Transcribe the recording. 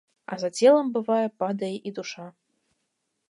А за целам, бывае, падае і душа.